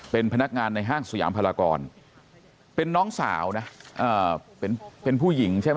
เป็นพนักงานในห้างสยามพลากรเป็นน้องสาวนะเป็นผู้หญิงใช่ไหม